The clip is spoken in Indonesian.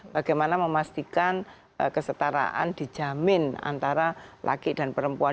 bagaimana memastikan kesetaraan dijamin antara laki dan perempuan